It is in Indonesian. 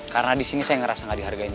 karena di sini saya ngerasa gak dihargain